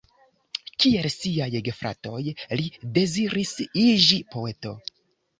Kiel siaj gefratoj, li deziris iĝi poeto.